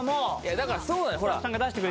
だからそうだよほらっ。